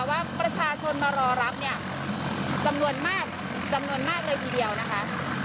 ว่าประชาชนมารอรับเนี่ยจำนวนมากจำนวนมากเลยทีเดียวนะคะ